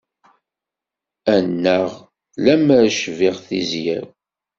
Annaɣ lemmer cbiɣ tizya-w.